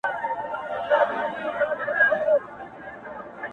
د کلې خلگ به دي څه ډول احسان ادا کړې